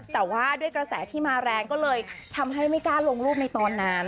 แต่ว่าด้วยกระแสที่มาแรงก็เลยทำให้ไม่กล้าลงรูปในตอนนั้น